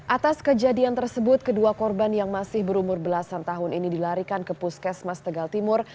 atas kejadian tersebut kedua korban yang masih berumur belasan tahun ini dilarikan ke puskesmas tegal timur